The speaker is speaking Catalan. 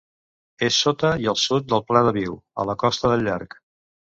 És sota i al sud del Pla de Viu, a la Costa del Llarg.